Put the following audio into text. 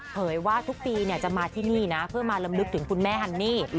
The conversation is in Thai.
เผยว่าทุกปีจะมาที่นี่นะเพื่อมาลำลึกถึงคุณแม่ฮันนี่